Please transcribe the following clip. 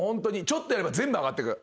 ちょっとやれば全部上がってく。